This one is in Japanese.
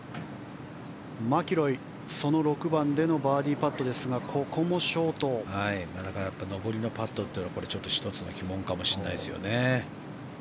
マキロイ、６番でのバーディーパットですが残りのパットというのが１つの鬼門かもしれないですよね。